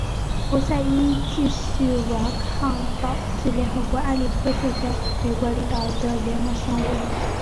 侯赛因继续顽抗导致联合国安理会授权美国领导的联盟使用武力。